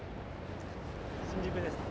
新宿ですね。